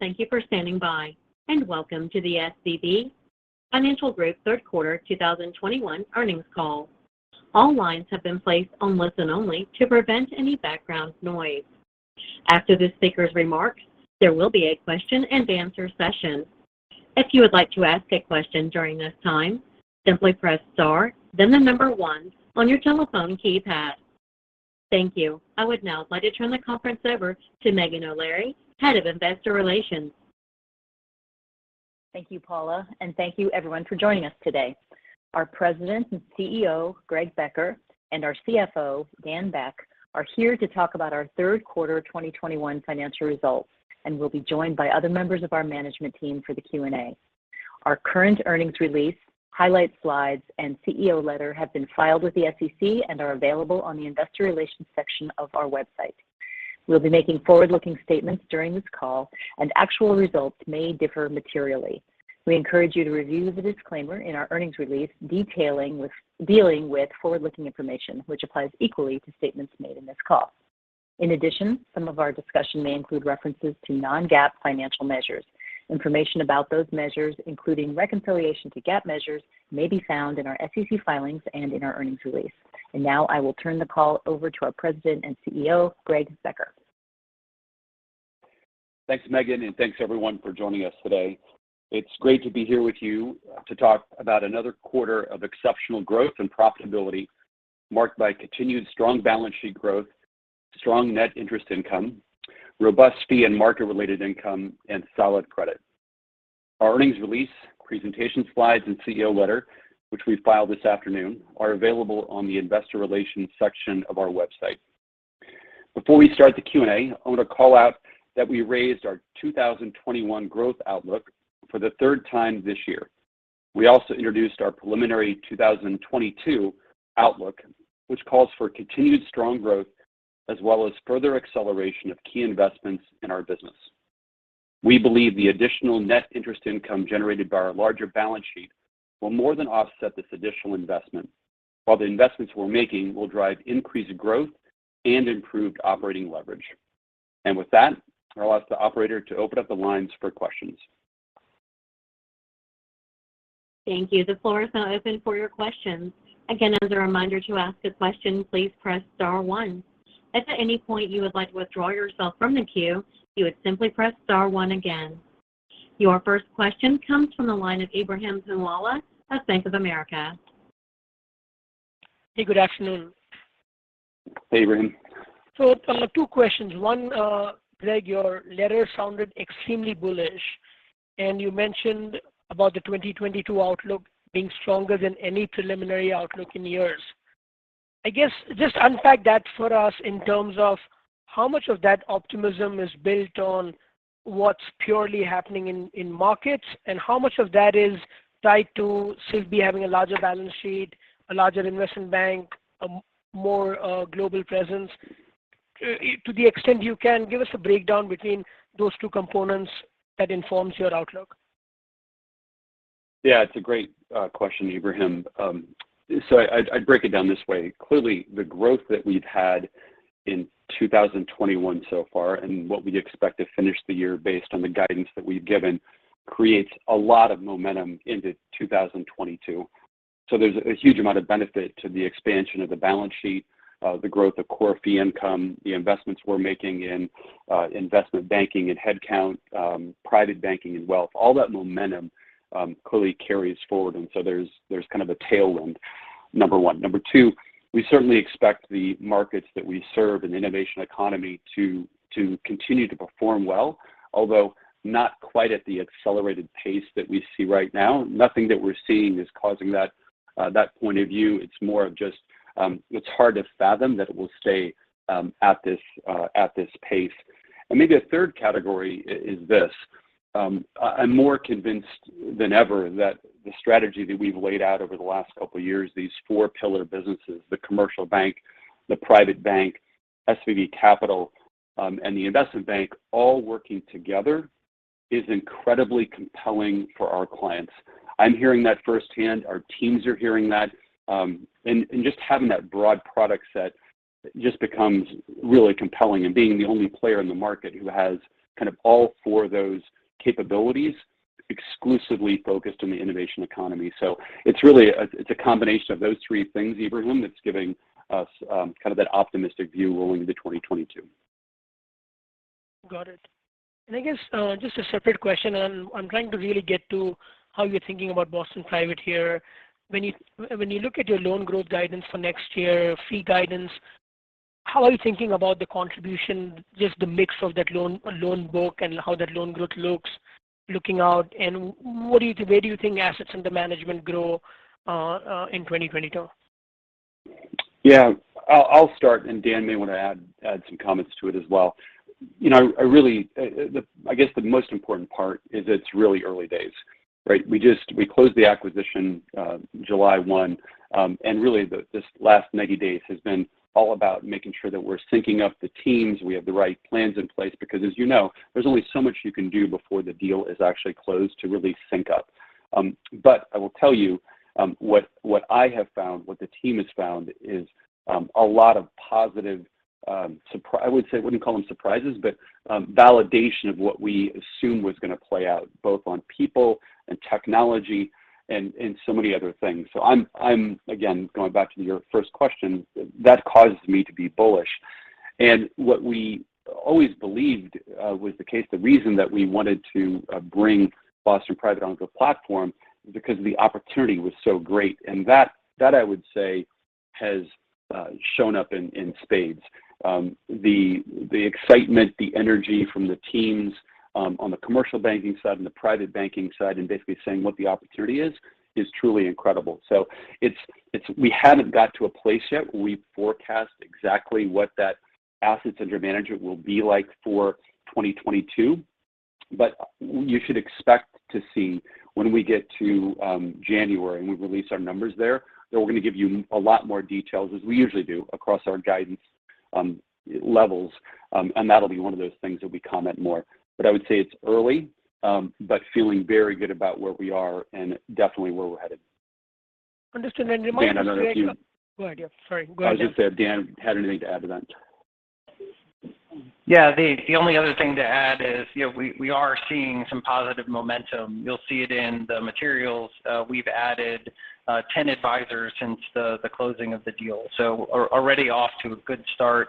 Thank you for standing by, and welcome to the SVB Financial Group Third Quarter 2021 Earnings Call. All lines have been placed on listen only to prevent any background noise. After the speakers' remarks, there will be a question-and-answer session. If you would like to ask a question during this time, simply press star, then the number one on your telephone keypad. Thank you. I would now like to turn the conference over to Meghan O'Leary, Head of Investor Relations. Thank you, Paula, and thank you everyone for joining us today. Our President and CEO, Greg Becker, and our CFO, Dan Beck, are here to talk about our third quarter 2021 financial results, and will be joined by other members of our management team for the Q&A. Our current earnings release, highlight slides, and CEO letter have been filed with the SEC and are available on the investor relations section of our website. We'll be making forward-looking statements during this call and actual results may differ materially. We encourage you to review the disclaimer in our earnings release dealing with forward-looking information, which applies equally to statements made in this call. In addition, some of our discussion may include references to non-GAAP financial measures. Information about those measures, including reconciliation to GAAP measures, may be found in our SEC filings and in our earnings release. Now I will turn the call over to our President and CEO, Greg Becker. Thanks, Meghan, thanks everyone for joining us today. It's great to be here with you to talk about another quarter of exceptional growth and profitability marked by continued strong balance sheet growth, strong net interest income, robust fee and market-related income, and solid credit. Our earnings release, presentation slides, and CEO letter, which we filed this afternoon, are available on the investor relations section of our website. Before we start the Q&A, I want to call out that we raised our 2021 growth outlook for the third time this year. We also introduced our preliminary 2022 outlook, which calls for continued strong growth as well as further acceleration of key investments in our business. We believe the additional net interest income generated by our larger balance sheet will more than offset this additional investment, while the investments we're making will drive increased growth and improved operating leverage. With that, I'll ask the operator to open up the lines for questions. Thank you. The floor is now open for your questions. Again, as a reminder, to ask a question, please press star one. If at any point you would like to withdraw yourself from the queue, you would simply press star one again. Your first question comes from the line of Ebrahim Poonawala of Bank of America. Hey, good afternoon. Hey, Ebrahim. Two questions. One, Greg, your letter sounded extremely bullish, and you mentioned about the 2022 outlook being stronger than any preliminary outlook in years. I guess just unpack that for us in terms of how much of that optimism is built on what's purely happening in markets, and how much of that is tied to SVB having a larger balance sheet, a larger investment bank, a more global presence? To the extent you can, give us a breakdown between those two components that informs your outlook. Yeah, it's a great question, Ebrahim. I'd break it down this way. Clearly, the growth that we've had in 2021 so far and what we'd expect to finish the year based on the guidance that we've given creates a lot of momentum into 2022. There's a huge amount of benefit to the expansion of the balance sheet, the growth of core fee income, the investments we're making in investment banking and head count, private banking and wealth. All that momentum clearly carries forward, there's kind of a tailwind, number one. Number two, we certainly expect the markets that we serve in the innovation economy to continue to perform well, although not quite at the accelerated pace that we see right now. Nothing that we're seeing is causing that point of view. It's more of just it's hard to fathom that it will stay at this pace. Maybe a third category is this. I'm more convinced than ever that the strategy that we've laid out over the last couple of years, these four pillar businesses, the commercial bank, the private bank, SVB Capital, and the investment bank all working together is incredibly compelling for our clients. I'm hearing that firsthand. Our teams are hearing that. Just having that broad product set just becomes really compelling, and being the only player in the market who has kind of all four of those capabilities exclusively focused on the innovation economy. It's a combination of those three things, Ebrahim, that's giving us kind of that optimistic view rolling into 2022. Got it. I guess just a separate question. I'm trying to really get to how you're thinking about Boston Private here. When you look at your loan growth guidance for next year, fee guidance, how are you thinking about the contribution, just the mix of that loan book and how that loan growth looks looking out, and where do you think assets under management grow in 2022? Yeah. I'll start, and Dan may want to add some comments to it as well. I guess the most important part is it's really early days, right? We closed the acquisition July 1. Really, this last 90 days has been all about making sure that we're syncing up the teams, we have the right plans in place because as you know, there's only so much you can do before the deal is actually closed to really sync up. I will tell you what I have found, what the team has found, is a lot of positive, I wouldn't call them surprises, but validation of what we assumed was going to play out, both on people and technology, and so many other things. I'm, again, going back to your first question, that causes me to be bullish. What we always believed was the case, the reason that we wanted to bring Boston Private onto a platform, because the opportunity was so great. That I would say has shown up in spades. The excitement, the energy from the teams on the commercial banking side and the private banking side, and basically saying what the opportunity is truly incredible. We haven't got to a place yet where we forecast exactly what that assets under management will be like for 2022. You should expect to see when we get to January, when we release our numbers there, that we're going to give you a lot more details, as we usually do, across our guidance levels. That'll be one of those things that we comment more. I would say it's early, but feeling very good about where we are and definitely where we're headed. Understood. Remind us. Dan, another few. Go ahead. Yeah, sorry. Go ahead. I was going to say, Dan, had anything to add to that? The only other thing to add is we are seeing some positive momentum. You'll see it in the materials. We've added 10 advisors since the closing of the deal. We're already off to a good start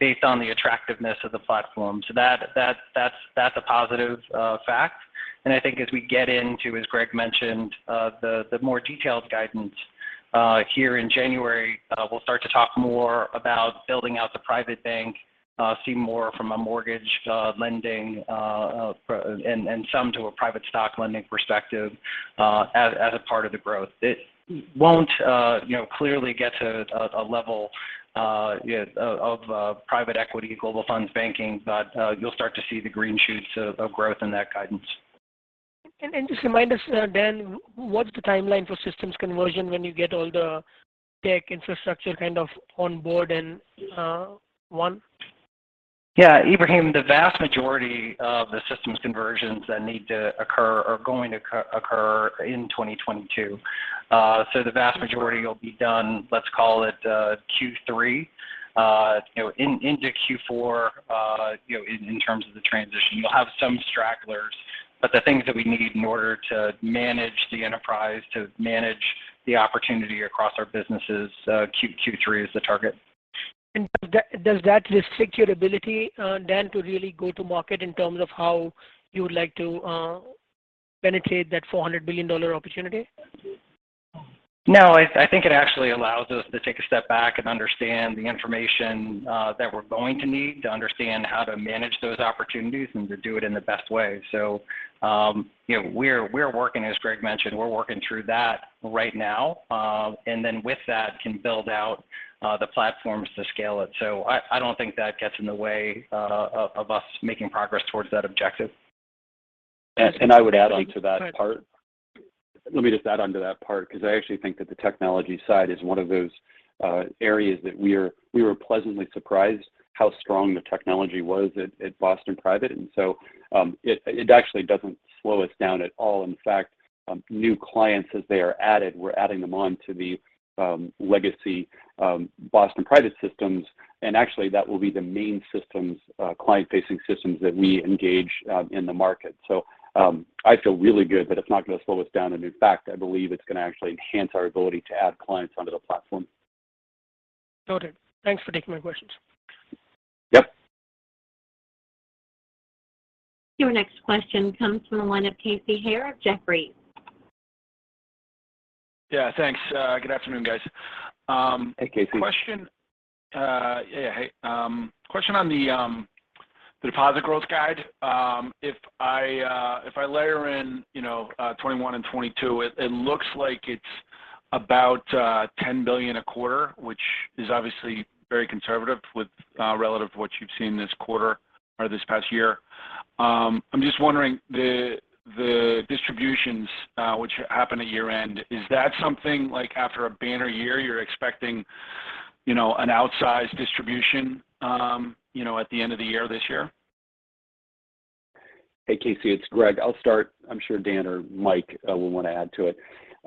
based on the attractiveness of the platform. That's a positive fact, and I think as we get into, as Greg mentioned, the more detailed guidance here in January, we'll start to talk more about building out the private bank, see more from a mortgage lending, and some to a private stock lending perspective as a part of the growth. It won't clearly get to a level of private equity global funds banking. You'll start to see the green shoots of growth in that guidance. Just remind us, Dan, what's the timeline for systems conversion when you get all the tech infrastructure kind of on board and one? Yeah. Ebrahim, the vast majority of the systems conversions that need to occur are going to occur in 2022. The vast majority will be done, let's call it, Q3. Into Q4, in terms of the transition. You'll have some stragglers, the things that we need in order to manage the enterprise, to manage the opportunity across our businesses, Q3 is the target. Does that restrict your ability, Dan, to really go to market in terms of how you would like to penetrate that $400 billion opportunity? No. I think it actually allows us to take a step back and understand the information that we're going to need to understand how to manage those opportunities and to do it in the best way. We're working, as Greg mentioned, we're working through that right now. With that, can build out the platforms to scale it. I don't think that gets in the way of us making progress towards that objective. I would add on to that part. Let me just add onto that part, because I actually think that the technology side is one of those areas that we were pleasantly surprised how strong the technology was at Boston Private. It actually doesn't slow us down at all. In fact, new clients, as they are added, we're adding them on to the legacy Boston Private systems. Actually, that will be the main client-facing systems that we engage in the market. I feel really good that it's not going to slow us down. In fact, I believe it's going to actually enhance our ability to add clients onto the platform. Noted. Thanks for taking my questions. Your next question comes from the line of Casey Haire of Jefferies. Yeah. Thanks. Good afternoon, guys. Hey, Casey. Question. Hey. Question on the deposit growth guide. If I layer in 2021 and 2022, it looks like it's about $10 billion a quarter, which is obviously very conservative relative to what you've seen this quarter or this past year. I'm just wondering, the distributions which happen at year-end, is that something like after a banner year, you're expecting an outsized distribution at the end of the year this year? Hey, Casey, it's Greg. I'll start. I'm sure Dan or Mike will want to add to it.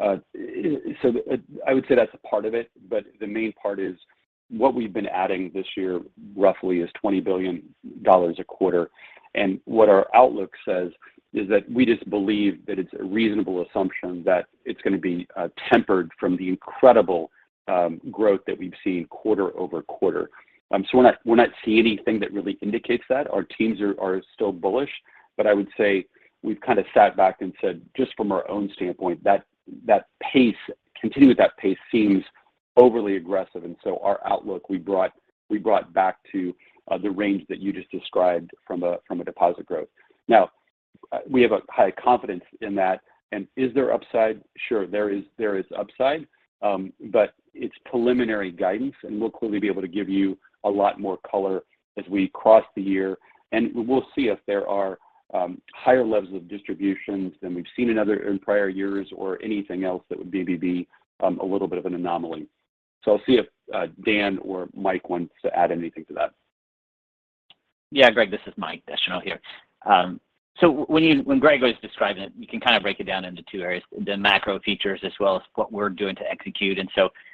I would say that's a part of it, but the main part is what we've been adding this year roughly is $20 billion a quarter. What our outlook says is that we just believe that it's a reasonable assumption that it's going to be tempered from the incredible growth that we've seen quarter-over-quarter. We're not seeing anything that really indicates that. Our teams are still bullish. I would say we've kind of sat back and said, just from our own standpoint, continuing with that pace seems overly aggressive. Our outlook, we brought back to the range that you just described from a deposit growth. We have a high confidence in that. Is there upside? Sure, there is upside. It's preliminary guidance, and we'll clearly be able to give you a lot more color as we cross the year. We'll see if there are higher levels of distributions than we've seen in prior years or anything else that would maybe be a little bit of an anomaly. I'll see if Dan or Mike wants to add anything to that. Yeah, Greg, this is Mike Descheneaux here. When Greg was describing it, we can kind of break it down into two areas, the macro features as well as what we're doing to execute.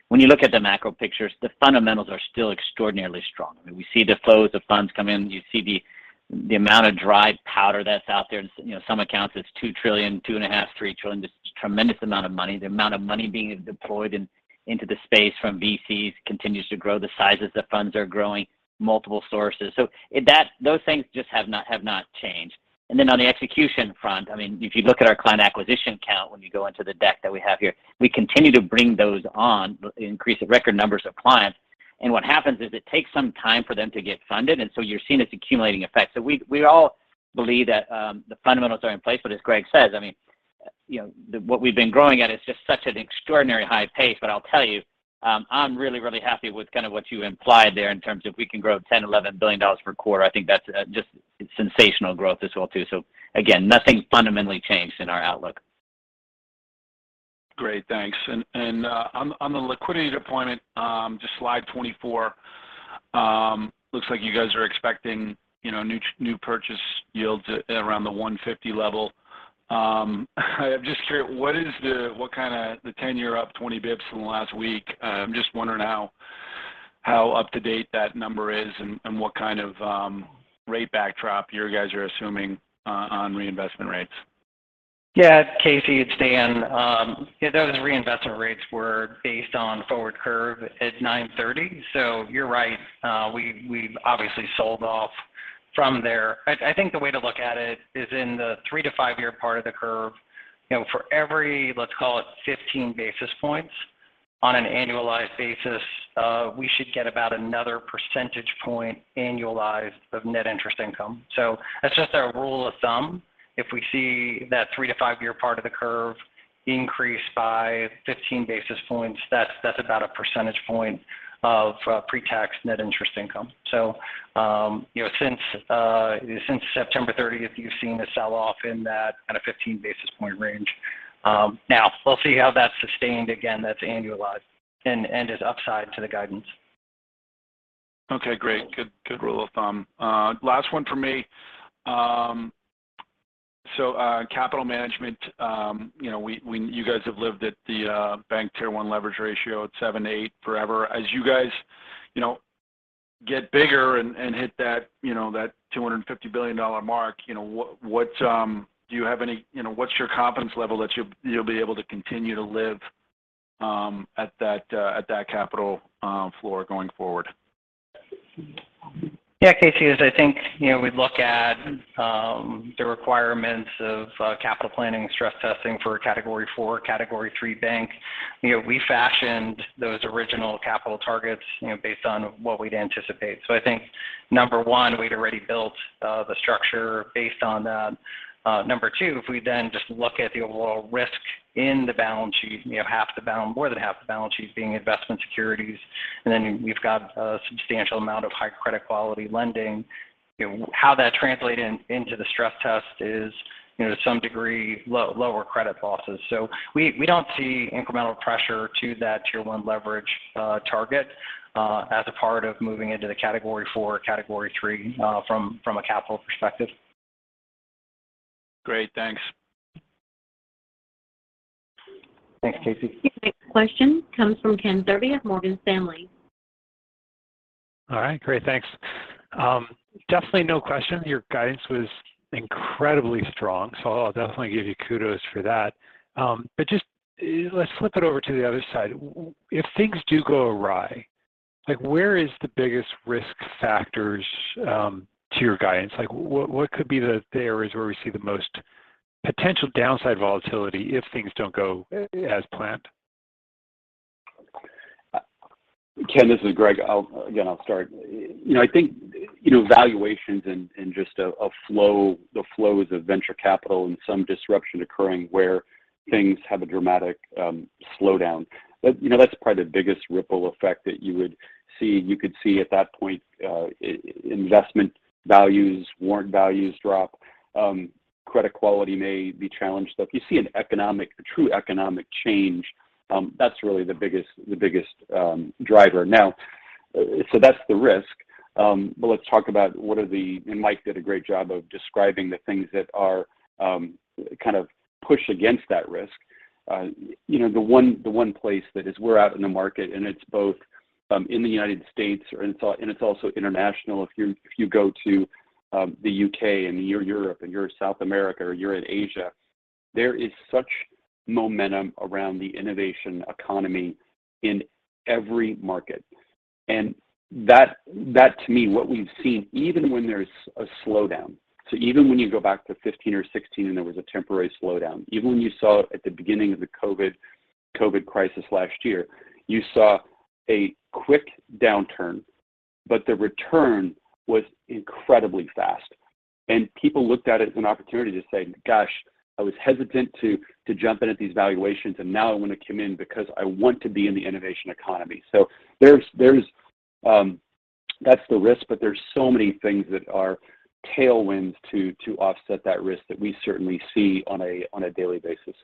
When you look at the macro pictures, the fundamentals are still extraordinarily strong. I mean, we see the flows of funds come in. You see the amount of dry powder that's out there. In some accounts it's $2 trillion, $2.5 trillion, $3 trillion. Just a tremendous amount of money. The amount of money being deployed into the space from VCs continues to grow. The sizes of funds are growing, multiple sources. Those things just have not changed. On the execution front, I mean, if you look at our client acquisition count when you go into the deck that we have here, we continue to bring those on, increase record numbers of clients. What happens is it takes some time for them to get funded, and so you're seeing its accumulating effect. We all believe that the fundamentals are in place, but as Greg says, I mean, what we've been growing at is just such an extraordinary high pace. I'll tell you, I'm really, really happy with kind of what you implied there in terms of we can grow $10 billion, $11 billion per quarter. I think that's just sensational growth as well, too. Again, nothing fundamentally changed in our outlook. Great. Thanks. On the liquidity deployment, just slide 24. Looks like you guys are expecting new purchase yields at around the 150 level. I'm just curious what kind of the 10-year up 20 basis points from last week. I'm just wondering how up to date that number is and what kind of rate backdrop you guys are assuming on reinvestment rates. Yeah, Casey, it's Dan. Yeah, those reinvestment rates were based on forward curve at 9:30. You're right, we've obviously sold off from there. I think the way to look at it is in the three to five-year part of the curve for every, let's call it 15 basis points on an annualized basis we should get about another percentage point annualized of net interest income. That's just our rule of thumb. If we see that three to five-year part of the curve increase by 15 basis points, that's about a percentage point of pre-tax net interest income. Since September 30th you've seen a sell-off in that at a 15 basis point range. Now we'll see how that's sustained, again, that's annualized and is upside to the guidance. Okay, great. Good rule of thumb. Last one from me. Capital management. You guys have lived at the Bank Tier 1 Leverage ratio at seven to eight forever. As you guys get bigger and hit that $250 billion mark, what's your confidence level that you'll be able to continue to live at that capital floor going forward? Yeah, Casey, as I think we'd look at the requirements of capital planning and stress testing for a Category IV, Category III bank. We fashioned those original capital targets based on what we'd anticipate. I think number one, we'd already built the structure based on that. Number two, if we just look at the overall risk in the balance sheet, more than half the balance sheet is being investment securities, and we've got a substantial amount of high credit quality lending. How that translated into the stress test is to some degree, lower credit losses. We do not see incremental pressure to that Tier 1 Leverage target as a part of moving into the Category IV, Category III from a capital perspective. Great. Thanks. Thanks, Casey. Your next question comes from Ken Zerbe of Morgan Stanley. All right. Great. Thanks. Definitely no question, your guidance was incredibly strong, so I'll definitely give you kudos for that. Just let's flip it over to the other side. If things do go awry, where is the biggest risk factors to your guidance? What could be the areas where we see the most potential downside volatility if things don't go as planned? Ken, this is Greg. Again, I'll start. I think valuations and just the flows of venture capital and some disruption occurring where things have a dramatic slowdown. That's probably the biggest ripple effect that you would see. You could see at that point investment values, warrant values drop. Credit quality may be challenged. If you see a true economic change, that's really the biggest driver. That's the risk. Let's talk about Mike did a great job of describing the things that are kind of push against that risk. The one place that is we're out in the market, and it's both in the U.S. and it's also international. If you go to the U.K. and you're in Europe, and you're in South America, or you're in Asia, there is such momentum around the innovation economy in every market. That to me, what we've seen, even when there's a slowdown. Even when you go back to 2015 or 2016 and there was a temporary slowdown, even when you saw at the beginning of the COVID crisis last year, you saw a quick downturn, but the return was incredibly fast. People looked at it as an opportunity to say, "Gosh, I was hesitant to jump in at these valuations, and now I want to come in because I want to be in the innovation economy." That's the risk, but there's so many things that are tailwinds to offset that risk that we certainly see on a daily basis.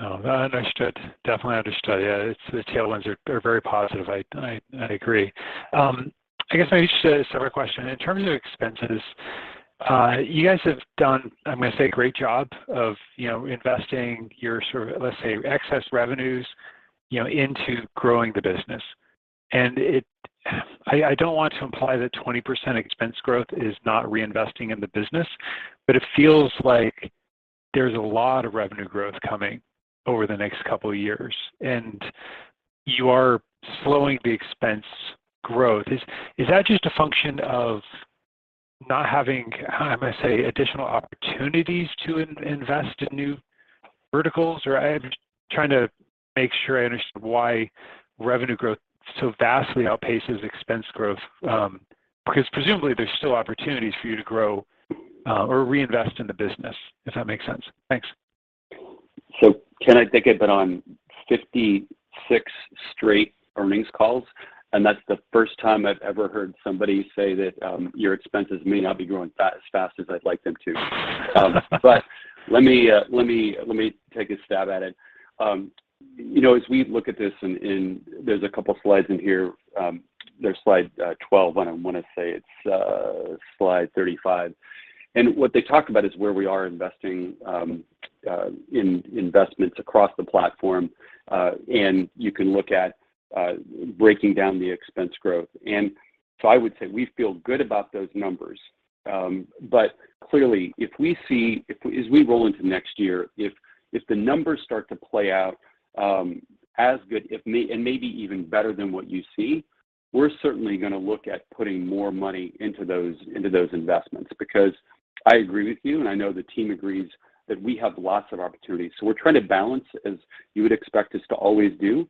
Understood. Definitely understood. Yeah. The tailwinds are very positive. I agree. I guess maybe just a separate question. In terms of expenses, you guys have done, I'm going to say, a great job of investing your, let's say, excess revenues into growing the business. I don't want to imply that 20% expense growth is not reinvesting in the business, but it feels like there's a lot of revenue growth coming over the next couple of years, and you are slowing the expense growth. Is that just a function of not having, how I'm going to say, additional opportunities to invest in new verticals? I'm trying to make sure I understand why revenue growth so vastly outpaces expense growth, because presumably there's still opportunities for you to grow or reinvest in the business, if that makes sense. Thanks. Ken, I think I've been on 56 straight earnings calls, and that's the first time I've ever heard somebody say that your expenses may not be growing as fast as I'd like them to. Let me take a stab at it. As we look at this, there's a couple slides in here. There's slide 12, and I want to say it's slide 35. What they talk about is where we are investing in investments across the platform. You can look at breaking down the expense growth. I would say we feel good about those numbers. Clearly, as we roll into next year, if the numbers start to play out as good and maybe even better than what you see, we're certainly going to look at putting more money into those investments. I agree with you, and I know the team agrees, that we have lots of opportunities. We're trying to balance as you would expect us to always do.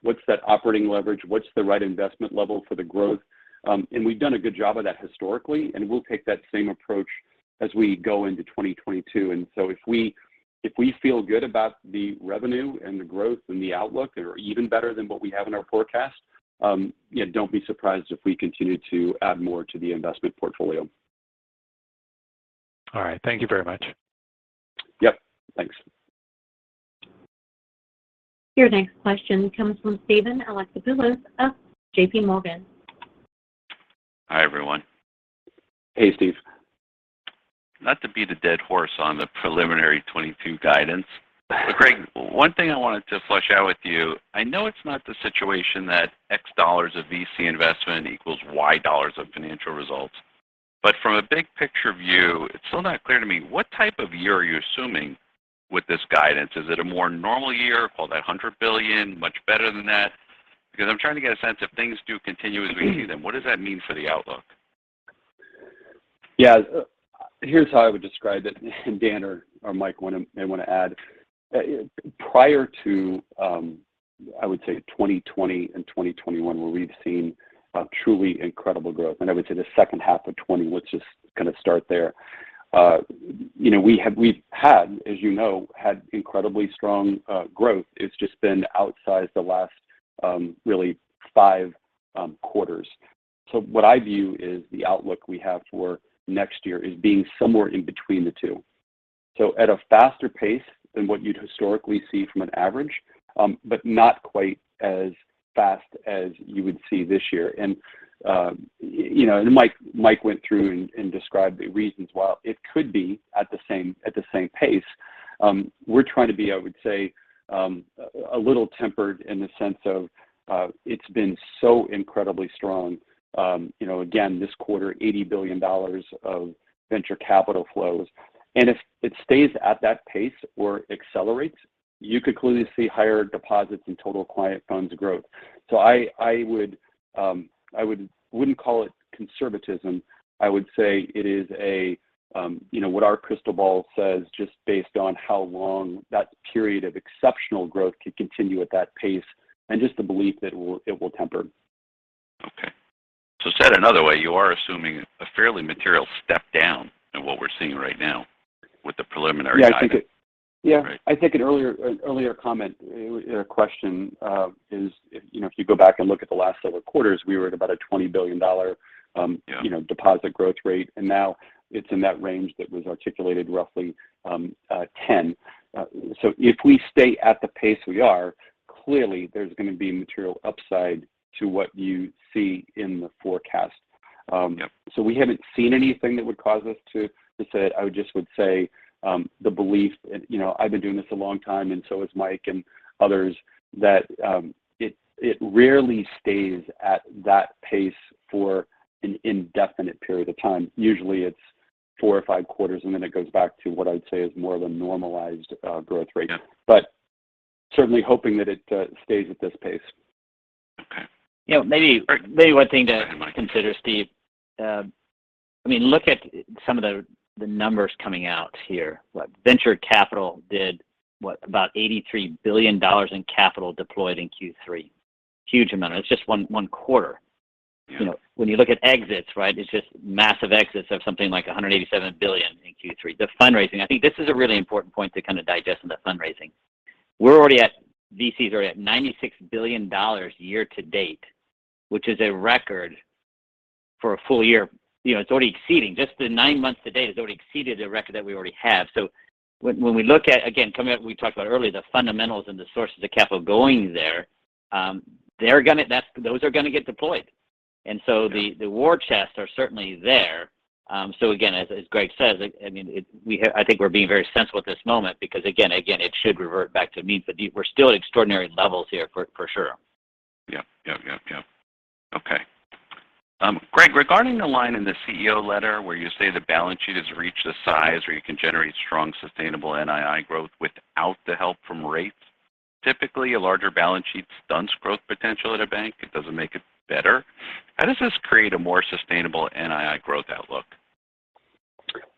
What's that operating leverage? What's the right investment level for the growth? We've done a good job of that historically, and we'll take that same approach as we go into 2022. If we feel good about the revenue and the growth and the outlook, or even better than what we have in our forecast, don't be surprised if we continue to add more to the investment portfolio. All right. Thank you very much. Yep. Thanks. Your next question comes from Steven Alexopoulos of JPMorgan. Hi, everyone. Hey, Steve. Not to beat a dead horse on the preliminary 2022 guidance. Greg, one thing I wanted to flush out with you, I know it's not the situation that X dollars of VC investment equals Y dollars of financial results. From a big picture view, it's still not clear to me, what type of year are you assuming with this guidance? Is it a more normal year, call that $100 billion, much better than that? I'm trying to get a sense if things do continue as we see them, what does that mean for the outlook? Yeah. Here's how I would describe it, and Dan or Mike may want to add. Prior to, I would say, 2020 and 2021, where we've seen truly incredible growth, and I would say the second half of 2020, let's just kind of start there. We've had, as you know, incredibly strong growth. It's just been outsized the last really five quarters. What I view is the outlook we have for next year as being somewhere in between the two. At a faster pace than what you'd historically see from an average, but not quite as fast as you would see this year. Mike went through and described the reasons why it could be at the same pace. We're trying to be, I would say, a little tempered in the sense of it's been so incredibly strong. Again, this quarter, $80 billion of venture capital flows. If it stays at that pace or accelerates, you could clearly see higher deposits and total client funds growth. I wouldn't call it conservatism. I would say it is what our crystal ball says, just based on how long that period of exceptional growth could continue at that pace, and just the belief that it will temper. Okay. Said another way, you are assuming a fairly material step down in what we're seeing right now with the preliminary guidance. Yeah. Right. I think an earlier question is, if you go back and look at the last several quarters, we were at about a $20 billion deposit growth rate, and now it's in that range that was articulated roughly 10. If we stay at the pace we are, clearly there's going to be material upside to what you see in the forecast. Yep. We haven't seen anything that would cause us to say it. I just would say the belief, I've been doing this a long time and so has Mike and others, that it rarely stays at that pace for an indefinite period of time. Usually it's four or five quarters, it goes back to what I'd say is more of a normalized growth rate. Yeah. Certainly hoping that it stays at this pace. Okay. Maybe one thing to. Go ahead, Mike Consider, Steve. Look at some of the numbers coming out here. Venture capital did what, about $83 billion in capital deployed in Q3. Huge amount, that's just one quarter. Yeah. When you look at exits, it's just massive exits of something like $187 billion in Q3. The fundraising, I think this is a really important point to kind of digest in the fundraising. VCs are at $96 billion year to date, which is a record for a full year. It's already exceeding. Just the nine months to date has already exceeded the record that we already have. When we look at, again, coming up, we talked about earlier the fundamentals and the sources of capital going there, those are going to get deployed. The war chest are certainly there. Again, as Greg Becker says, I think we're being very sensible at this moment because again, it should revert back to means. We're still at extraordinary levels here, for sure. Yep. Okay. Greg, regarding the line in the CEO letter where you say the balance sheet has reached a size where you can generate strong, sustainable NII growth without the help from rates. Typically, a larger balance sheet stunts growth potential at a bank. It doesn't make it better. How does this create a more sustainable NII growth outlook?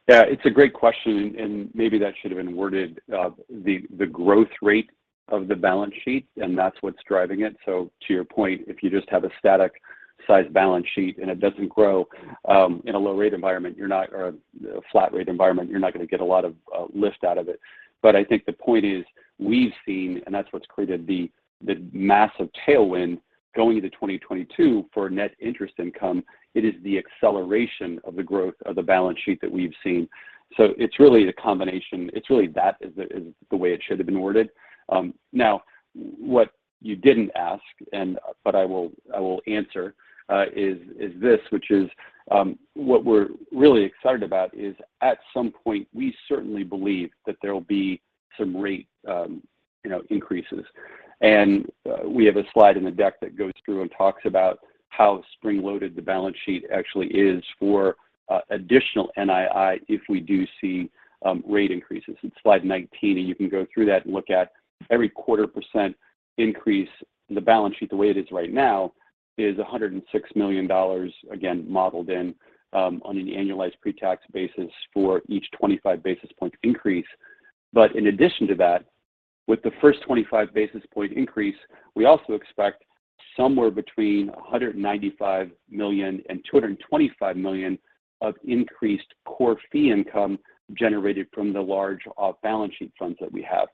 Yeah, it's a great question, and maybe that should have been worded the growth rate of the balance sheet, and that's what's driving it. To your point, if you just have a static size balance sheet and it doesn't grow in a low rate environment or a flat rate environment, you're not going to get a lot of lift out of it. I think the point is, we've seen, and that's what's created the massive tailwind going into 2022 for net interest income. It is the acceleration of the growth of the balance sheet that we've seen. It's really the combination. It's really that is the way it should have been worded. Now, what you didn't ask, but I will answer is this, which is what we're really excited about is at some point, we certainly believe that there will be some rate increases. We have a slide in the deck that goes through and talks about how spring-loaded the balance sheet actually is for additional NII if we do see rate increases. It's slide 19, and you can go through that and look at every quarter percent increase. The balance sheet, the way it is right now, is $106 million, again, modeled in on an annualized pre-tax basis for each 25 basis point increase. In addition to that, with the first 25 basis point increase, we also expect somewhere between $195 million and $225 million of increased core fee income generated from the large off-balance sheet funds that we have.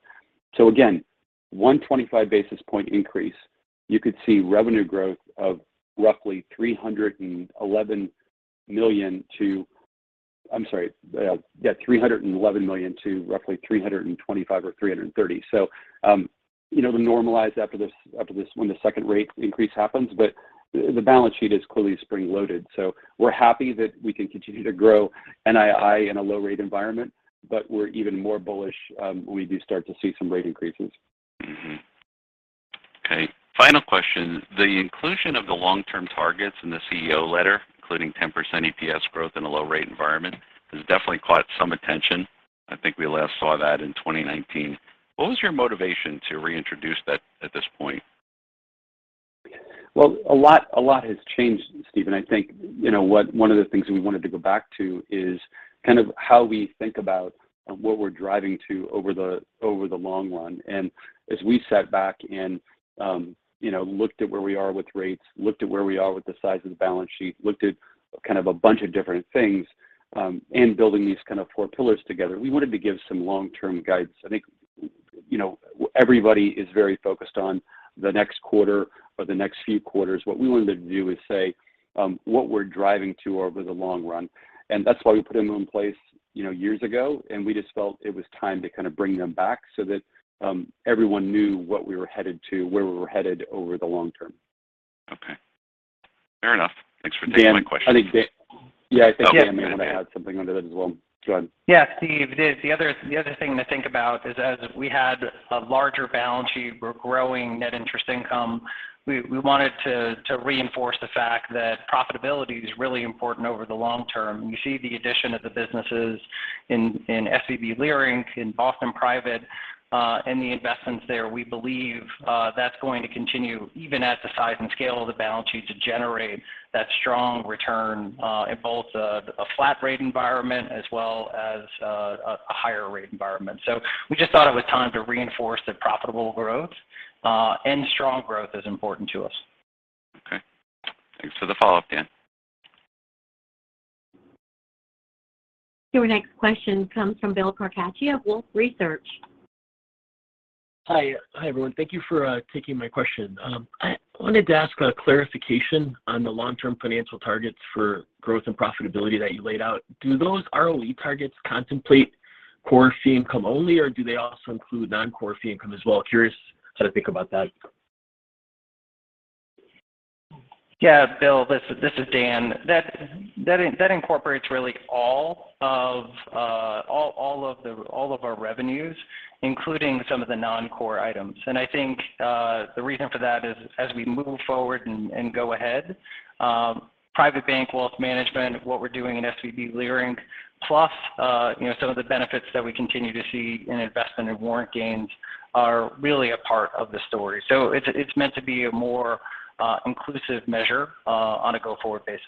Again, one 25 basis point increase, you could see revenue growth of roughly $311 million to roughly $325 million or $330 million. It'll normalize when the second rate increase happens, but the balance sheet is clearly spring loaded. We're happy that we can continue to grow NII in a low rate environment, but we're even more bullish when we do start to see some rate increases. Okay, final question. The inclusion of the long-term targets in the CEO letter, including 10% EPS growth in a low rate environment, has definitely caught some attention. I think we last saw that in 2019. What was your motivation to reintroduce that at this point? Well, a lot has changed, Steve. I think one of the things we wanted to go back to is kind of how we think about what we're driving to over the long run. As we sat back and looked at where we are with rates, looked at where we are with the size of the balance sheet, looked at kind of a bunch of different things, and building these kind of four pillars together, we wanted to give some long-term guidance. I think everybody is very focused on the next quarter or the next few quarters. What we wanted to do is say, what we're driving to over the long run, and that's why we put them in place years ago, and we just felt it was time to kind of bring them back so that everyone knew what we were headed to, where we were headed over the long-term. Okay. Fair enough. Thanks for taking my question. Dan. Yeah, I think Dan may want to add something onto that as well. Go ahead. Steve, the other thing to think about is as we had a larger balance sheet, we're growing net interest income. We wanted to reinforce the fact that profitability is really important over the long-term. You see the addition of the businesses in SVB Leerink, in Boston Private, and the investments there. We believe that's going to continue, even at the size and scale of the balance sheet, to generate that strong return in both a flat rate environment as well as a higher rate environment. We just thought it was time to reinforce that profitable growth, and strong growth is important to us. Okay. Thanks for the follow-up, Dan. Your next question comes from Bill Carcache, Wolfe Research. Hi, everyone. Thank you for taking my question. I wanted to ask a clarification on the long-term financial targets for growth and profitability that you laid out. Do those ROE targets contemplate core fee income only, or do they also include non-core fee income as well? Curious how to think about that. Yeah, Bill, this is Dan. That incorporates really all of our revenues, including some of the non-core items. I think the reason for that is as we move forward and go ahead, private bank wealth management, what we're doing in SVB Leerink, plus some of the benefits that we continue to see in investment and warrant gains are really a part of the story. It's meant to be a more inclusive measure on a go-forward basis.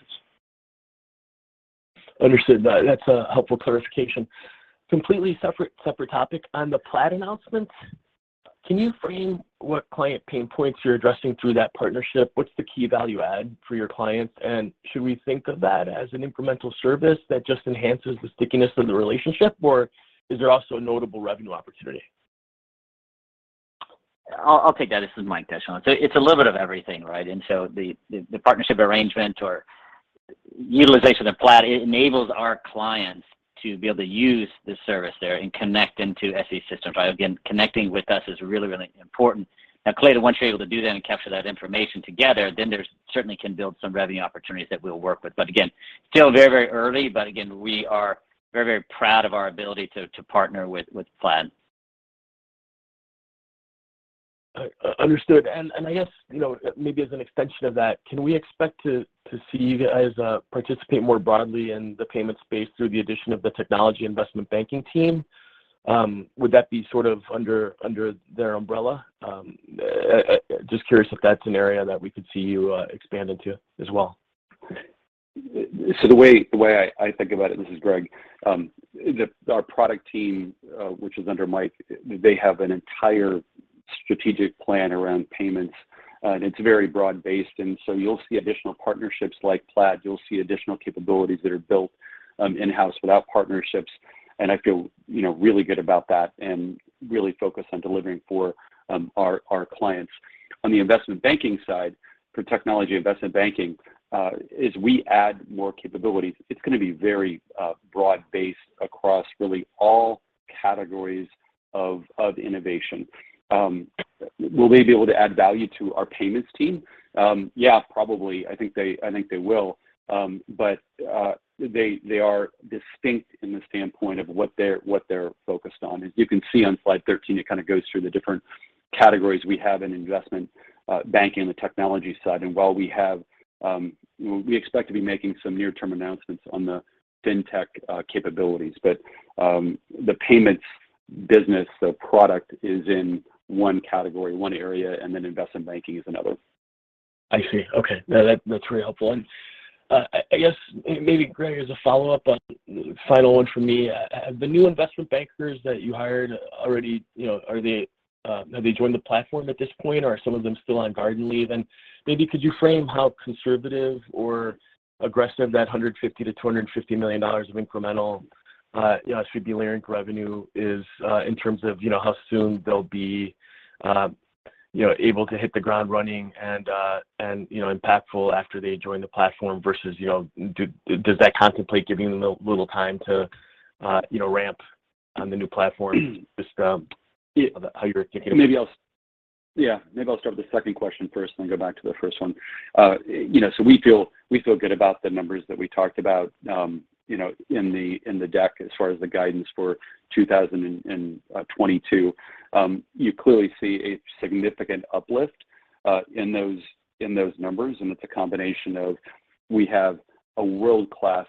Understood. That's a helpful clarification. Completely separate topic. On the Plaid announcement, can you frame what client pain points you're addressing through that partnership? What's the key value add for your clients, and should we think of that as an incremental service that just enhances the stickiness of the relationship, or is there also a notable revenue opportunity? I'll take that. This is Mike Descheneaux. It's a little bit of everything, right? The partnership arrangement or utilization of Plaid enables our clients to be able to use this service there and connect into SVB systems. Again, connecting with us is really important. Clayton, once you're able to do that and capture that information together, there certainly can build some revenue opportunities that we'll work with. Again, still very early, but again, we are very proud of our ability to partner with Plaid. Understood. I guess maybe as an extension of that, can we expect to see you guys participate more broadly in the payment space through the addition of the technology investment banking team? Would that be sort of under their umbrella? Just curious if that's an area that we could see you expand into as well. The way I think about it, this is Greg. Our product team which is under Mike, they have an entire strategic plan around payments, and it's very broad-based. You'll see additional partnerships like Plaid. You'll see additional capabilities that are built in-house without partnerships, and I feel really good about that and really focused on delivering for our clients. On the investment banking side, for technology investment banking, as we add more capabilities, it's going to be very broad-based across really all categories of innovation. Will they be able to add value to our payments team? Yeah, probably. I think they will. They are distinct in the standpoint of what they're focused on. As you can see on slide 13, it kind of goes through the different categories we have in investment banking on the technology side. We expect to be making some near-term announcements on the fintech capabilities. The payments business, the product is in one category, one area, and then investment banking is another. I see. Okay. No, that's very helpful. I guess maybe, Greg, as a follow-up on, final one from me. Have the new investment bankers that you hired have they joined the platform at this point, or are some of them still on garden leave? Maybe could you frame how conservative or aggressive that $150 million-$250 million of incremental SVB Leerink revenue is in terms of how soon they'll be able to hit the ground running and impactful after they join the platform versus does that contemplate giving them a little time to ramp on the new platform? Just how you're thinking. Yeah. Maybe I'll start with the second question first, then go back to the first one. We feel good about the numbers that we talked about in the deck as far as the guidance for 2022. You clearly see a significant uplift in those numbers, and it's a combination of we have a world-class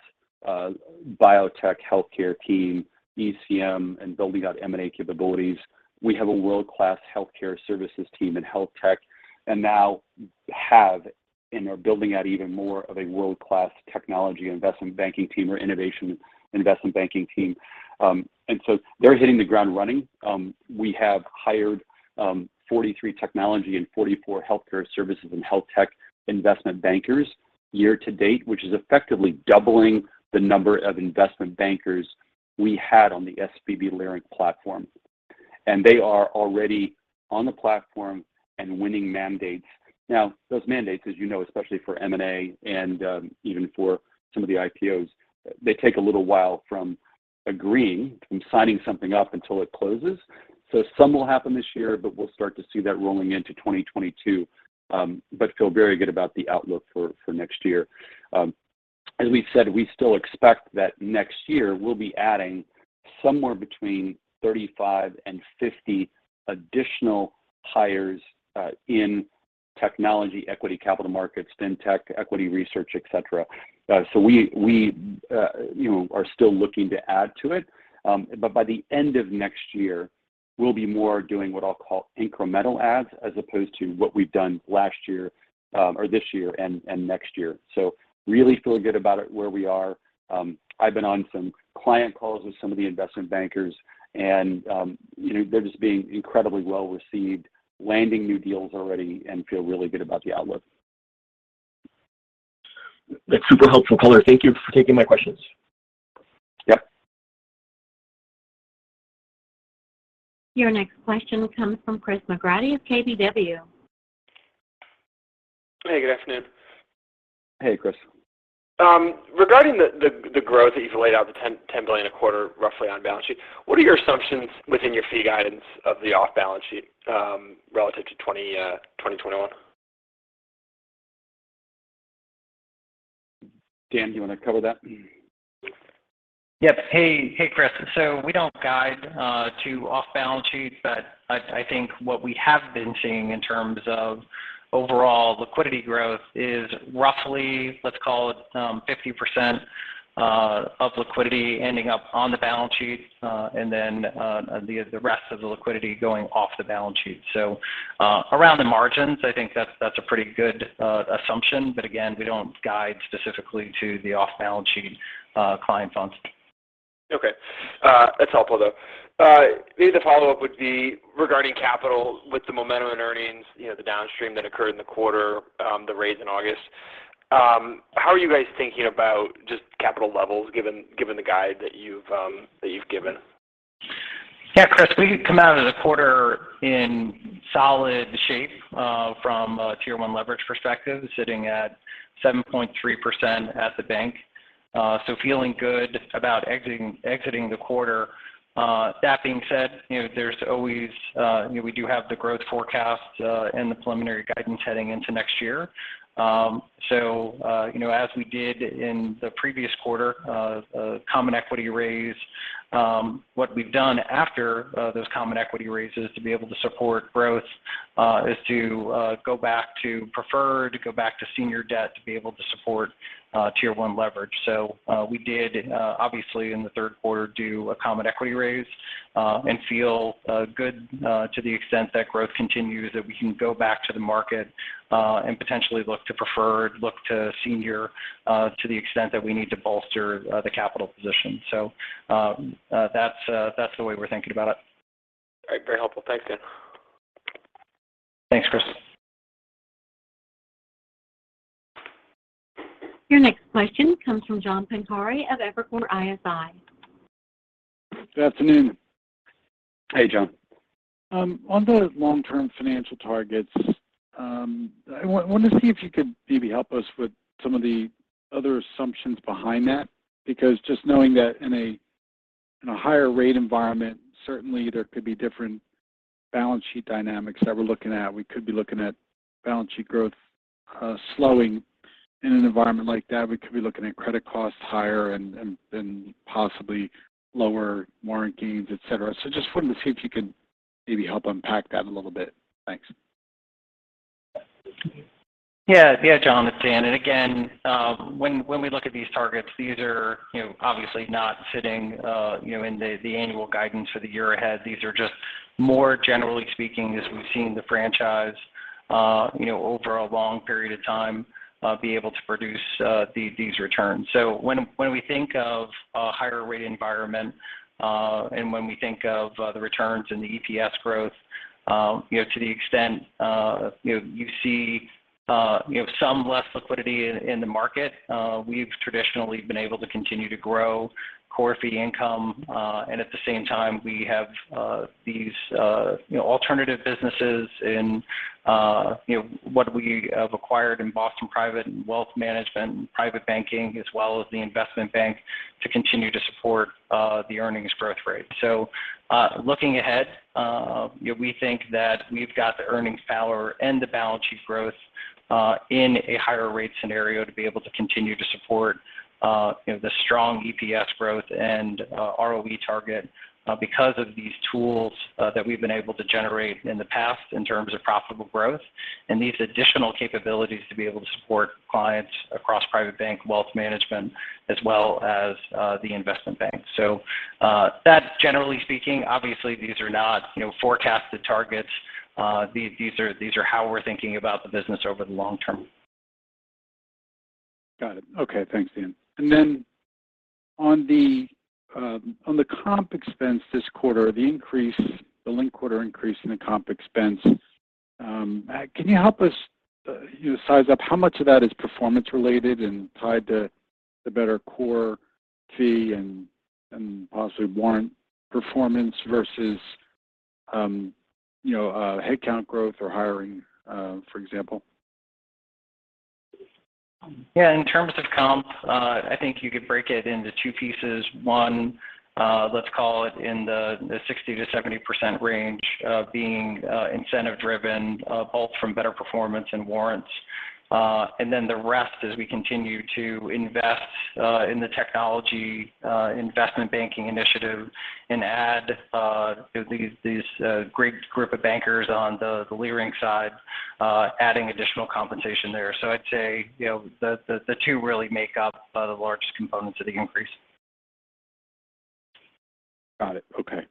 biotech healthcare team, ECM, and building out M&A capabilities. We have a world-class healthcare services team in health tech, and now have and are building out even more of a world-class technology investment banking team or innovation investment banking team. They're hitting the ground running. We have hired 43 technology and 44 healthcare services and health tech investment bankers year to date, which is effectively doubling the number of investment bankers we had on the SVB Leerink platform. They are already on the platform and winning mandates. Those mandates, as you know, especially for M&A and even for some of the IPOs, they take a little while from agreeing, from signing something up until it closes. Some will happen this year, but we'll start to see that rolling into 2022. Feel very good about the outlook for next year. As we've said, we still expect that next year we'll be adding somewhere between 35 and 50 additional hires in technology, equity capital markets, fintech, equity research, et cetera. We are still looking to add to it. By the end of next year, we'll be more doing what I'll call incremental adds as opposed to what we've done last year or this year and next year. Really feel good about it where we are. I've been on some client calls with some of the investment bankers, and they're just being incredibly well-received, landing new deals already, and feel really good about the outlook. That's super helpful color. Thank you for taking my questions. Yep. Your next question comes from Chris McGratty of KBW. Hey, good afternoon. Hey, Chris. Regarding the growth that you've laid out, the $10 billion a quarter roughly on balance sheet, what are your assumptions within your fee guidance of the off-balance sheet relative to 2021? Dan, do you want to cover that? Yep. Hey, Chris. We don't guide to off-balance sheet, but I think what we have been seeing in terms of overall liquidity growth is roughly, let's call it, 50% of liquidity ending up on the balance sheet, and then the rest of the liquidity going off the balance sheet. Around the margins, I think that's a pretty good assumption. Again, we don't guide specifically to the off-balance sheet client funds. Okay. That's helpful, though. Maybe the follow-up would be regarding capital with the momentum and earnings, the downstream that occurred in the quarter, the raise in August. How are you guys thinking about just capital levels given the guide that you've given? Chris, we come out of the quarter in solid shape from a Tier 1 leverage perspective, sitting at 7.3% at the bank. Feeling good about exiting the quarter. That being said, we do have the growth forecast and the preliminary guidance heading into next year. As we did in the previous quarter, a common equity raise. What we've done after those common equity raises to be able to support growth is to go back to preferred, to go back to senior debt to be able to support Tier 1 leverage. We did, obviously, in the third quarter, do a common equity raise and feel good to the extent that growth continues, that we can go back to the market and potentially look to preferred, look to senior to the extent that we need to bolster the capital position. That's the way we're thinking about it. All right. Very helpful. Thanks, Dan. Thanks, Chris. Your next question comes from John Pancari of Evercore ISI. Good afternoon. Hey, John. On the long-term financial targets, I wanted to see if you could maybe help us with some of the other assumptions behind that, because just knowing that in a higher rate environment, certainly there could be different balance sheet dynamics that we're looking at. We could be looking at balance sheet growth slowing in an environment like that. We could be looking at credit costs higher and then possibly lower warrant gains, et cetera. Just wanted to see if you could maybe help unpack that a little bit. Thanks. John, it's Dan. Again, when we look at these targets, these are obviously not sitting in the annual guidance for the year ahead. These are just more generally speaking, as we've seen the franchise over a long period of time be able to produce these returns. When we think of a higher rate environment, and when we think of the returns and the EPS growth, to the extent you see some less liquidity in the market, we've traditionally been able to continue to grow core fee income. At the same time, we have these alternative businesses in what we have acquired in Boston Private and Wealth Management and Private Banking, as well as the Investment Bank to continue to support the earnings growth rate. Looking ahead, we think that we've got the earnings power and the balance sheet growth in a higher rate scenario to be able to continue to support the strong EPS growth and ROE target because of these tools that we've been able to generate in the past in terms of profitable growth and these additional capabilities to be able to support clients across Private Bank, Wealth Management, as well as the Investment Bank. That's generally speaking. Obviously, these are not forecasted targets. These are how we're thinking about the business over the long-term. Got it. Okay. Thanks, Dan. Then on the comp expense this quarter, the linked quarter increase in the comp expense, can you help us size up how much of that is performance related and tied to the better core fee and possibly warrant performance versus headcount growth or hiring, for example? Yeah. In terms of comp, I think you could break it into two pieces. One, let's call it in the 60%-70% range being incentive driven, both from better performance and warrants. Then the rest as we continue to invest in the technology investment banking initiative and add these great group of bankers on the SVB Leerink side, adding additional compensation there. I'd say the two really make up the largest components of the increase. Got it. Okay.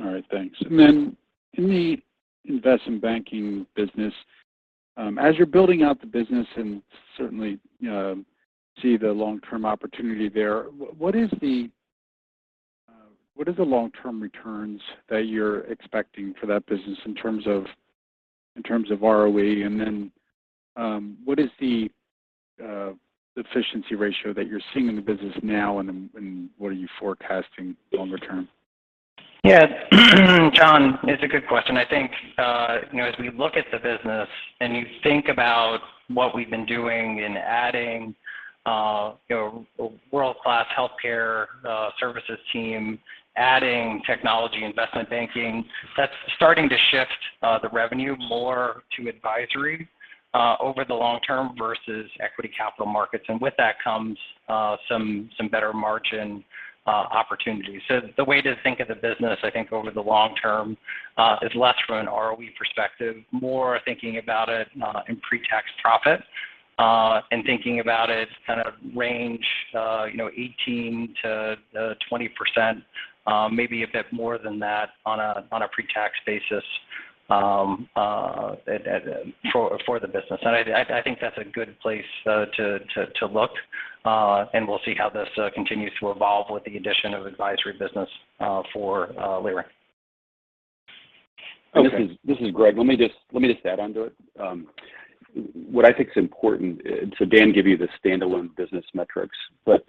All right. Thanks. In the investment banking business, as you're building out the business and certainly see the long-term opportunity there, what are the long-term returns that you're expecting for that business in terms of ROE? And then what is the efficiency ratio that you're seeing in the business now, and what are you forecasting longer term? Yeah, John, it's a good question. I think as we look at the business and you think about what we've been doing in adding a world-class healthcare services team, adding technology investment banking, that's starting to shift the revenue more to advisory over the long-term versus equity capital markets. With that comes some better margin opportunities. The way to think of the business, I think over the long-term, is less from an ROE perspective, more thinking about it in pre-tax profit, and thinking about it kind of range 18%-20%, maybe a bit more than that on a pre-tax basis for the business. I think that's a good place to look. We'll see how this continues to evolve with the addition of advisory business for SVB Leerink. Okay. This is Greg. Let me just add onto it. What I think is important, so Dan gave you the standalone business metrics, but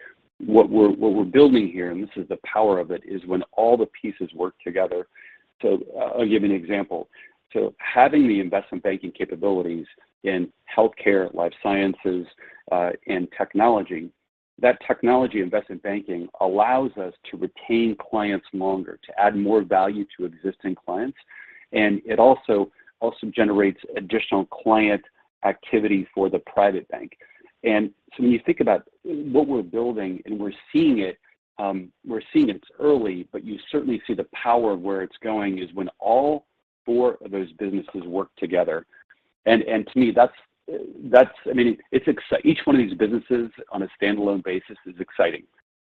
what we're building here, and this is the power of it, is when all the pieces work together. I'll give you an example. Having the investment banking capabilities in healthcare, life sciences, and technology, that technology investment banking allows us to retain clients longer, to add more value to existing clients, and it also generates additional client activity for the private bank. When you think about what we're building and we're seeing it's early, but you certainly see the power of where it's going is when all four of those businesses work together. To me, each one of these businesses on a standalone basis is exciting.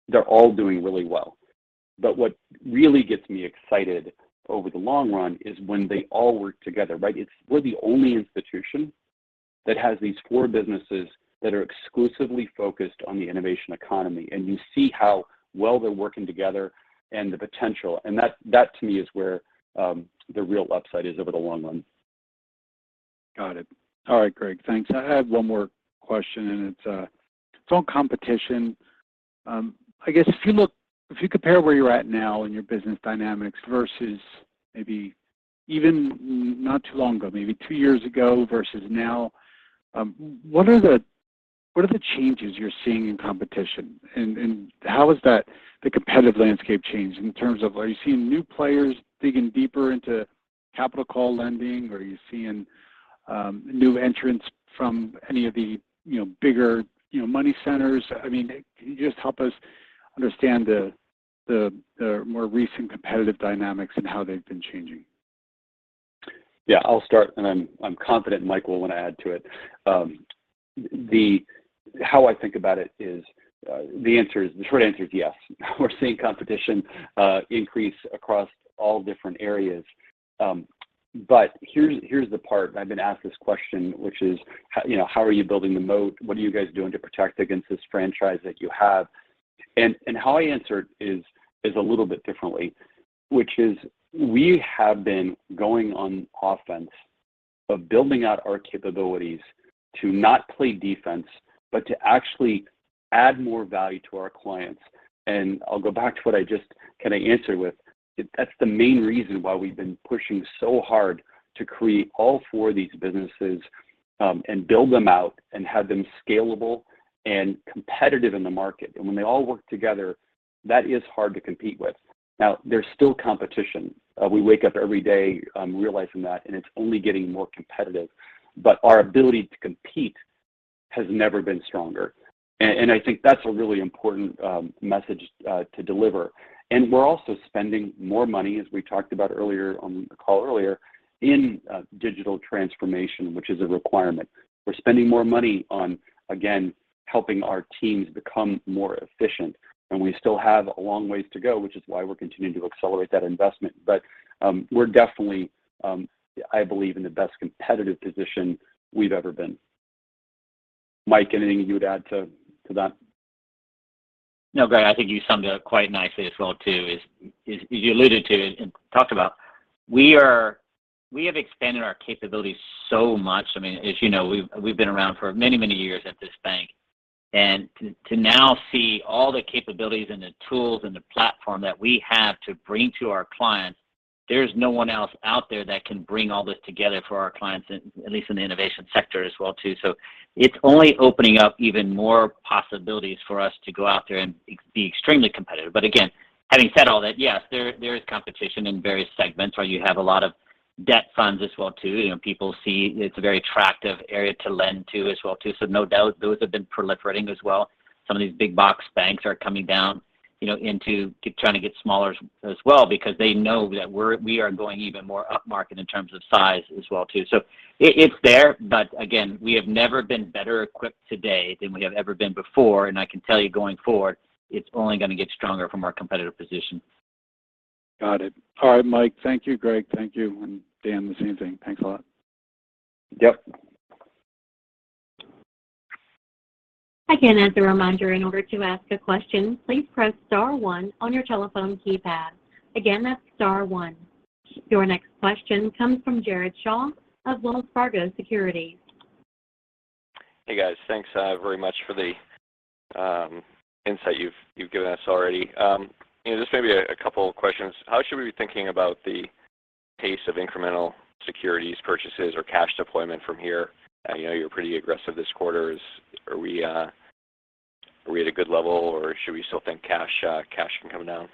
They're all doing really well. What really gets me excited over the long run is when they all work together, right? We're the only institution that has these four businesses that are exclusively focused on the innovation economy, and you see how well they're working together and the potential. That to me is where the real upside is over the long run. Got it. All right, Greg. Thanks. I have one more question, and it's on competition. I guess if you compare where you're at now in your business dynamics versus maybe even not too long ago, maybe two years ago versus now, what are the changes you're seeing in competition? How has the competitive landscape changed in terms of are you seeing new players digging deeper into capital call lending, or are you seeing new entrants from any of the bigger money centers? Can you just help us understand the more recent competitive dynamics and how they've been changing? Yeah, I'll start, and I'm confident Mike will want to add to it. How I think about it is the short answer is yes. We're seeing competition increase across all different areas. Here's the part, and I've been asked this question, which is how are you building the moat? What are you guys doing to protect against this franchise that you have? How I answered is a little bit differently, which is we have been going on offense of building out our capabilities to not play defense, but to actually add more value to our clients. I'll go back to what I just kind of answered with. That's the main reason why we've been pushing so hard to create all four of these businesses, and build them out, and have them scalable and competitive in the market. When they all work together, that is hard to compete with. There's still competition. We wake up every day realizing that, and it's only getting more competitive. Our ability to compete has never been stronger. I think that's a really important message to deliver. We're also spending more money, as we talked about on the call earlier, in digital transformation, which is a requirement. We're spending more money on, again, helping our teams become more efficient. We still have a long ways to go, which is why we're continuing to accelerate that investment. We're definitely, I believe, in the best competitive position we've ever been. Mike, anything you'd add to that? No, Greg, I think you summed it up quite nicely as well too, as you alluded to and talked about. We have expanded our capabilities so much. As you know, we've been around for many, many years at this bank. To now see all the capabilities and the tools and the platform that we have to bring to our clients, there's no one else out there that can bring all this together for our clients, at least in the innovation sector as well too. It's only opening up even more possibilities for us to go out there and be extremely competitive. Again, having said all that, yes, there is competition in various segments where you have a lot of debt funds as well too. People see it's a very attractive area to lend to as well too. No doubt those have been proliferating as well. Some of these big box banks are coming down into trying to get smaller as well because they know that we are going even more upmarket in terms of size as well too. It's there. Again, we have never been better equipped today than we have ever been before. I can tell you going forward, it's only going to get stronger from our competitive position. Got it. All right, Mike. Thank you, Greg. Thank you. Dan, the same thing. Thanks a lot. Yep. Again, as a reminder, in order to ask a question, please press star one on your telephone keypad. Again, that's star one. Your next question comes from Jared Shaw of Wells Fargo Securities. Hey, guys. Thanks very much for the insight you've given us already. Just maybe a couple of questions. How should we be thinking about the pace of incremental securities purchases or cash deployment from here? I know you were pretty aggressive this quarter. Are we at a good level, or should we still think cash can come down?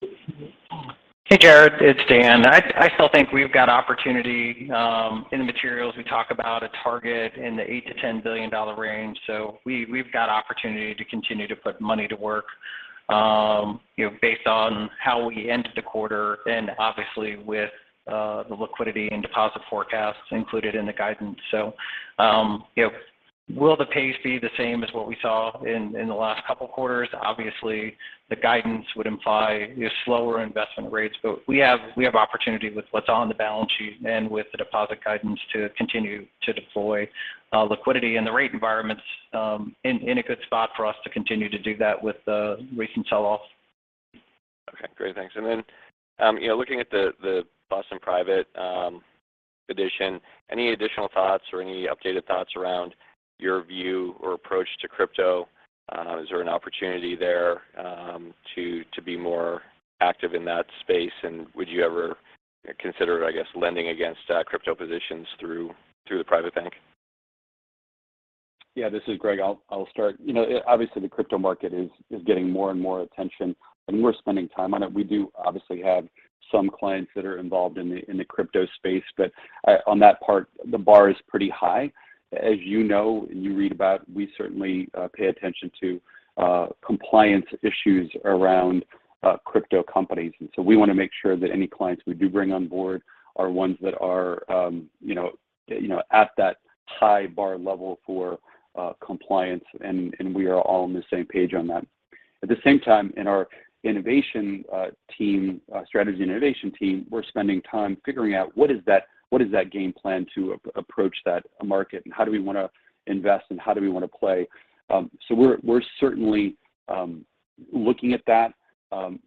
Hey, Jared. It's Dan. I still think we've got opportunity. In the materials, we talk about a target in the $8 billion-$10 billion range. We've got opportunity to continue to put money to work based on how we ended the quarter and obviously with the liquidity and deposit forecasts included in the guidance. Will the pace be the same as what we saw in the last couple of quarters? Obviously, the guidance would imply slower investment rates, but we have opportunity with what's on the balance sheet and with the deposit guidance to continue to deploy liquidity. The rate environment's in a good spot for us to continue to do that with the recent sell-off. Great, thanks. Then, looking at the Boston Private addition, any additional thoughts or any updated thoughts around your view or approach to crypto? Is there an opportunity there to be more active in that space, and would you ever consider, I guess, lending against crypto positions through the private bank? Yeah. This is Greg, I'll start. Obviously the crypto market is getting more and more attention, we're spending time on it. We do obviously have some clients that are involved in the crypto space, but on that part, the bar is pretty high. As you know, and you read about, we certainly pay attention to compliance issues around crypto companies. We want to make sure that any clients we do bring on board are ones that are at that high bar level for compliance, and we are all on the same page on that. At the same time, in our strategy and innovation team, we're spending time figuring out what is that game plan to approach that market, and how do we want to invest and how do we want to play. We're certainly looking at that.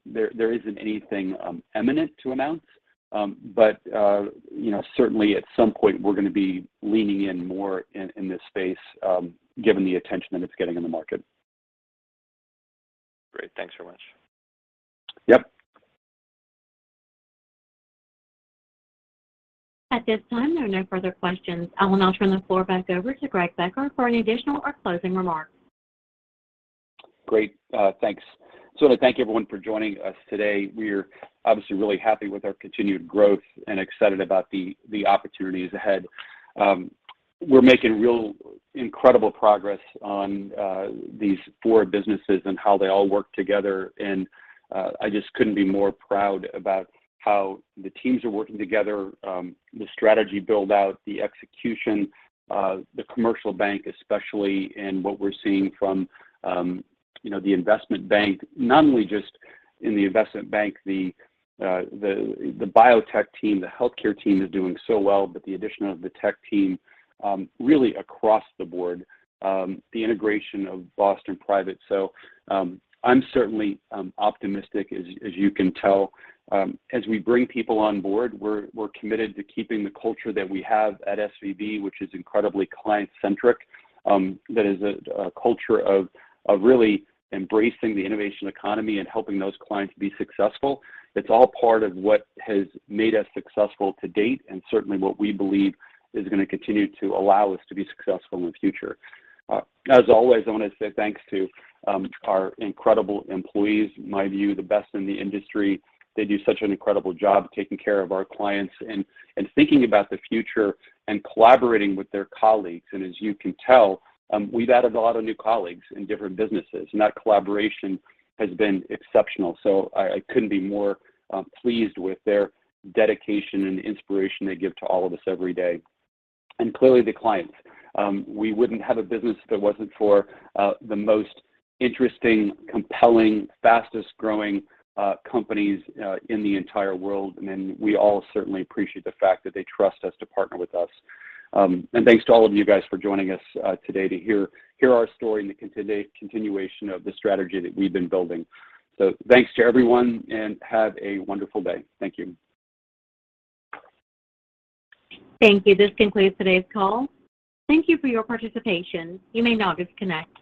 There isn't anything imminent to announce. Certainly at some point we're going to be leaning in more in this space, given the attention that it's getting in the market. Great, thanks so much. Yep. At this time, there are no further questions. I will now turn the floor back over to Greg Becker for any additional or closing remarks. Great, thanks. Just want to thank everyone for joining us today. We're obviously really happy with our continued growth and excited about the opportunities ahead. We're making real incredible progress on these four businesses and how they all work together, and I just couldn't be more proud about how the teams are working together, the strategy build-out, the execution, the commercial bank especially, and what we're seeing from the investment bank. Not only just in the investment bank, the biotech team, the healthcare team is doing so well, but the addition of the tech team, really across the board, the integration of Boston Private. I'm certainly optimistic, as you can tell. As we bring people on board, we're committed to keeping the culture that we have at SVB, which is incredibly client-centric. That is a culture of really embracing the innovation economy and helping those clients be successful. It's all part of what has made us successful to date, and certainly what we believe is going to continue to allow us to be successful in the future. As always, I want to say thanks to our incredible employees, in my view, the best in the industry. They do such an incredible job taking care of our clients and thinking about the future and collaborating with their colleagues. As you can tell, we've added a lot of new colleagues in different businesses, and that collaboration has been exceptional. I couldn't be more pleased with their dedication and inspiration they give to all of us every day. Clearly the clients, we wouldn't have a business if it wasn't for the most interesting, compelling, fastest-growing companies in the entire world. We all certainly appreciate the fact that they trust us to partner with us. Thanks to all of you guys for joining us today to hear our story and the continuation of the strategy that we've been building. Thanks to everyone, and have a wonderful day. Thank you. Thank you. This concludes today's call. Thank you for your participation. You may now disconnect.